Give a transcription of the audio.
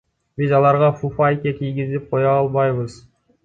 Биз аларга фуфайке кийгизип кое албайбыз.